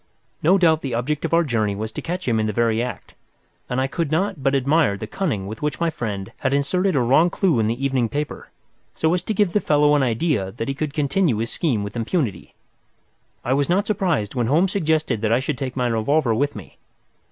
No doubt the object of our journey was to catch him in the very act, and I could not but admire the cunning with which my friend had inserted a wrong clue in the evening paper, so as to give the fellow the idea that he could continue his scheme with impunity. I was not surprised when Holmes suggested that I should take my revolver with me.